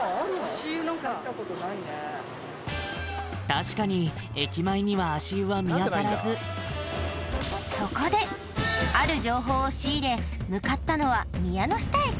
確かに駅前には足湯は見当たらずある情報を仕入れ向かったのは宮ノ下駅